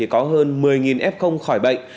có hơn một mươi f khỏi bệnh